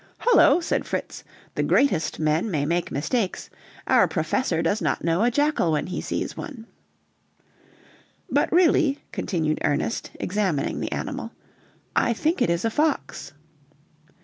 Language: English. "Hullo," said Fritz. "The greatest men may make mistakes. Our Professor does not know a jackal when he sees one." "But really," continued Ernest, examining the animal, "I think it is a fox."